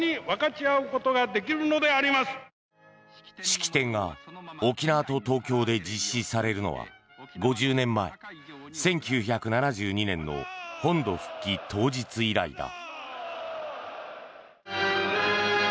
式典が沖縄と東京で実施されるのは５０年前、１９７２年の本土復帰当日以来だ。